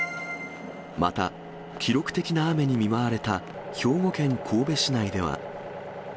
また、記録的な雨に見舞われた兵庫県神戸市内では。